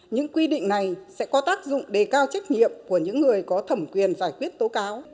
những quy định này sẽ có tác dụng đề cao trách nhiệm của những người có thẩm quyền giải quyết tố cáo